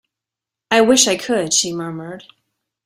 "I wish I could," she murmured.